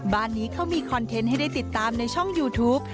บ้านนี้เขามีคอนเทนต์ให้ได้ติดตามในช่องยูทูป